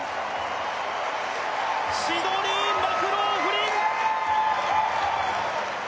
シドニー・マクローフリン